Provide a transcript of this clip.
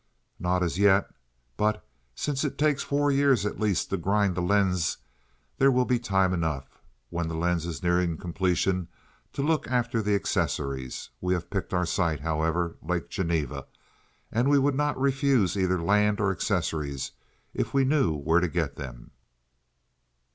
"Not as yet, but, since it takes four years at least to grind the lens, there will be time enough, when the lens is nearing completion, to look after the accessories. We have picked our site, however—Lake Geneva—and we would not refuse either land or accessories if we knew where to get them."